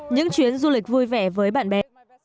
những chuyến du lịch vui vẻ với bạn bè